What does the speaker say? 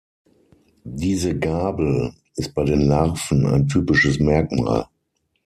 Diese Gabel ist bei den Larven ein typisches Merkmal.